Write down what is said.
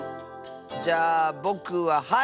じゃあぼくははい！